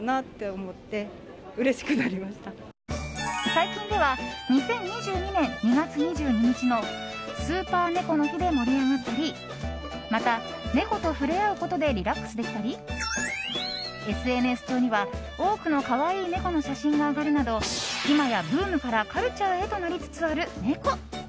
最近では２０２２年２月２２日のスーパー猫の日で盛り上がったりまた、猫と触れ合うことでリラックスできたりＳＮＳ上には、多くの可愛い猫の写真が上がるなど今や、ブームからカルチャーへとなりつつある猫。